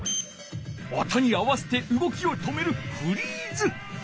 音に合わせてうごきを止めるフリーズ。